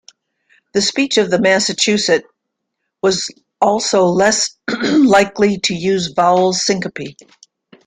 The speech of the Massachusett was also less likely to use vowel syncope.